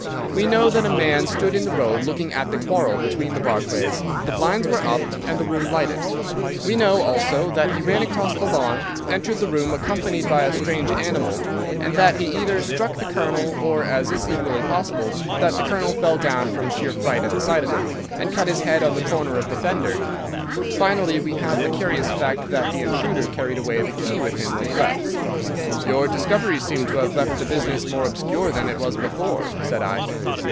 We know that a man stood in the road looking at the quarrel between the Barclays—the blinds were up and the room lighted. We know, also, that he ran across the lawn, entered the room, accompanied by a strange animal, and that he either struck the Colonel or, as is equally possible, that the Colonel fell down from sheer fright at the sight of him, and cut his head on the corner of the fender. Finally, we have the curious fact that the intruder carried away the key with him when he left." "Your discoveries seem to have left the business more obscure that it was before," said I.